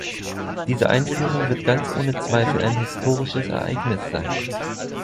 Diese Einführung wird ganz ohne Zweifel ein historisches Ereignis sein.